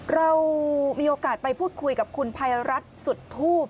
เรามีโอกาสไปพูดคุยกับคุณภัยรัฐสุดทูบ